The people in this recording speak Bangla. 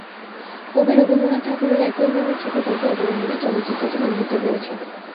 কবি রবীন্দ্রনাথ ঠাকুরের একই নামের ছোটগল্প অবলম্বনে চলচ্চিত্রটি নির্মিত হয়েছে।